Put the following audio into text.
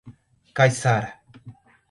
Caiçara